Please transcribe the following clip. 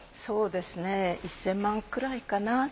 そうですね１０００万くらいかな。